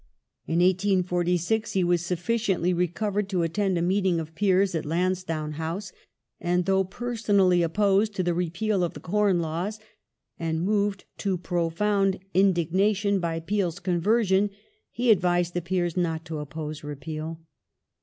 By 1846 he was sufficiently recovered to attend a meeting of Peers at Lansdowne House, and, though personally opposed to the repeal of the Corn Laws, and moved to profound indignation by Peel's conversion,^ he advised the Peers not to oppose repeal.